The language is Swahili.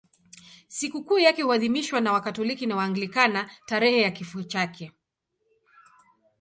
Sikukuu yake huadhimishwa na Wakatoliki na Waanglikana tarehe ya kifo chake.